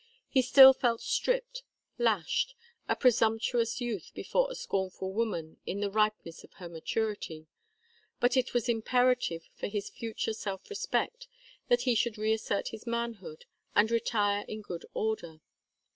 He still felt stripped, lashed, a presumptuous youth before a scornful woman in the ripeness of her maturity, but it was imperative for his future self respect that he should reassert his manhood and retire in good order.